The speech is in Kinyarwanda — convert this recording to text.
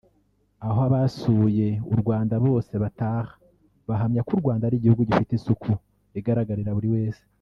aho abasuye u Rwanda bose bataha bahamya ko u Rwanda ari igihugu gifite isuku igaragarira buri wese